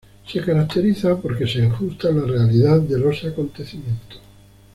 Se caracteriza porque se ajusta a la realidad de los acontecimientos.